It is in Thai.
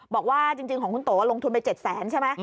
บอกว่าจริงของคุณโตลงทุนไป๗แสนใช่ไหม